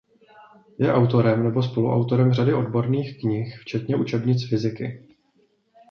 Je autorem nebo spoluautorem řady odborných knih včetně učebnic fyziky.